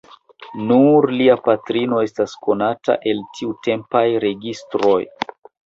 Nur lia patrino estas konata el tiutempaj registroj.